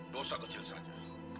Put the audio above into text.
dosa kecil saja